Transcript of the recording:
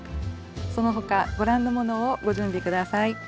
その他ご覧のものをご準備下さい。